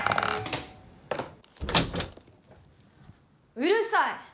うるさい！